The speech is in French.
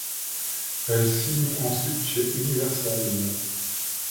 Elle signe ensuite chez Universal.